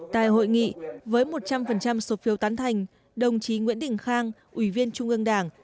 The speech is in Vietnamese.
tại hội nghị với một trăm linh số phiếu tán thành đồng chí nguyễn đình khang ủy viên trung ương đảng